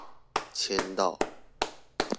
簽到